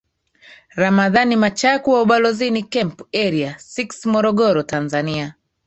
ramadhan machaku wa ubalozini camp area six morogoro tanzania